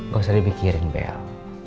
gak usah dipikirin bel